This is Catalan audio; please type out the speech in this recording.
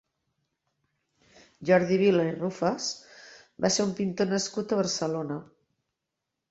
Jordi Vila i Rufas va ser un pintor nascut a Barcelona.